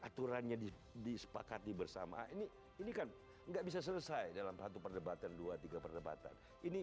aturannya disepakati bersama ini ini kan enggak bisa selesai dalam satu perdebatan dua tiga perdebatan ini